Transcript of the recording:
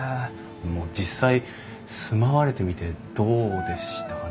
実際住まわれてみてどうでしたかね？